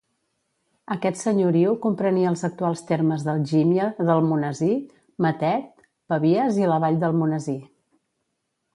Aquest senyoriu comprenia els actuals termes d'Algímia d'Almonesir, Matet, Pavies i La Vall d'Almonesir.